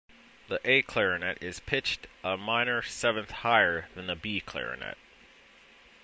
The A clarinet is pitched a minor seventh higher than the B clarinet.